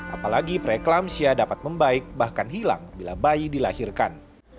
apalagi preeklampsia dapat membaik bahkan hilang bila bayi dilahirkan